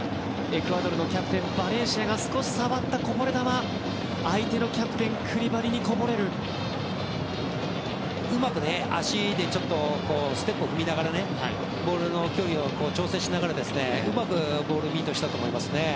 エクアドルのキャプテンバレンシアが少し触ったこぼれ球相手のキャプテンクリバリにうまく足でステップを踏みながらボールとの距離を調整しながらうまくボールミートしたと思います。